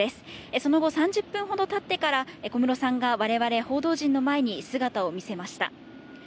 その後、３０分ほどたってから、小室さんがわれわれ報道陣の前に姿を見せました。